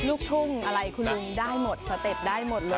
ลูกทุ่งอะไรคุณลุงได้หมดสเต็ปได้หมดเลย